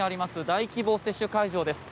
大規模接種会場です。